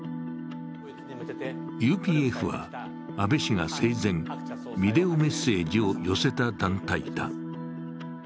ＵＰＦは、安倍氏が生前、ビデオメッセージを寄せた団体だ。